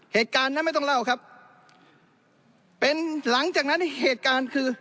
เหตุการณ์นั้นไม่ต้องเล่าครับเป็นหลังจากนั้นเหตุการณ์คือ